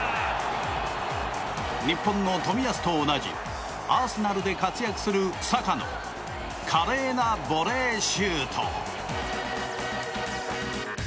日本の冨安と同じアーセナルで活躍するサカの華麗なボレーシュート。